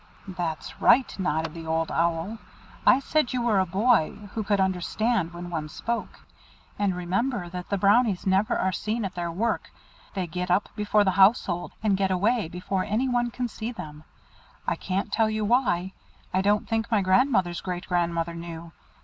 "That's right," nodded the Old Owl. "I said you were a boy who could understand when one spoke. And remember that the Brownies never are seen at their work. They get up before the household, and get away before any one can see them. I can't tell you why. I don't think my grandmother's great grandmother knew.